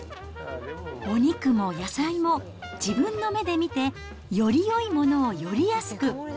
お肉も野菜も、自分の目で見て、よりよいものをより安く。